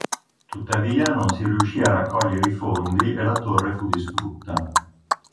Tuttavia non si riuscì a raccogliere i fondi e la torre fu distrutta.